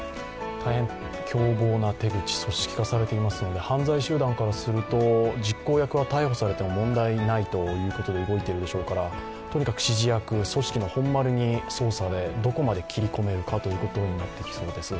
大変凶暴な手口、組織化されていますので犯罪集団からすると実行役が逮捕されても問題ないということで動いているようですからとにかく指示役、組織の本丸に捜査でどこまで切り込めるかということになってきそうです。